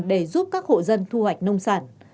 để giúp các hộ dân thu hoạch nông sản